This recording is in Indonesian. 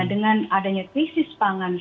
dengan adanya krisis pangan